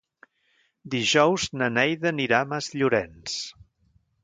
Dijous na Neida anirà a Masllorenç.